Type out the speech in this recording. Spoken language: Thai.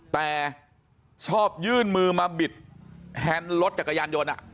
แต่ชอบยื่นมือมาบิดแฮนด์รถจักรยานยนต์